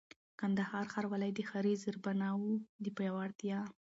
کندهار ښاروالۍ د ښاري زېربناوو د پياوړتيا